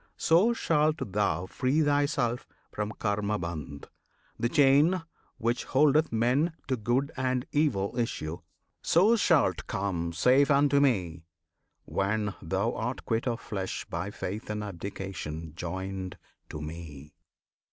So shalt thou free thyself From Karmabandh, the chain which holdeth men To good and evil issue, so shalt come Safe unto Me when thou art quit of flesh By faith and abdication joined to Me!